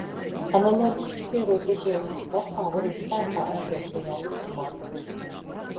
Analoģisks ierobežojums pastāv arī spēkā esošajā likumā.